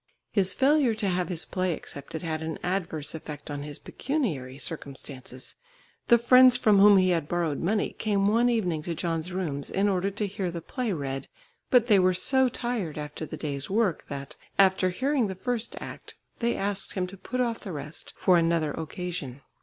His failure to have his play accepted had an adverse effect on his pecuniary circumstances. The friends from whom he had borrowed money came one evening to John's rooms in order to hear the play read, but they were so tired after the day's work that, after hearing the first act, they asked him to put off the rest for another occasion.